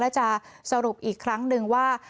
และจะสรุปอีกครั้งหนึ่งว่า